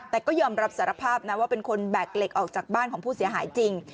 แต่ก็ยอมรับสารภาพนะว่าเป็นคนแบกเหล็กออกจากบ้านของผู้เสียหายจริง